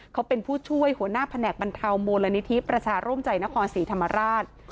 เขาเป็นผู้ช่วยหัวหน้าแผนกบรรเทามูลนิธิประชาร่วมใจนครศรีธรรมราช